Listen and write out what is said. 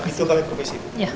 kalau begitu kalian provisi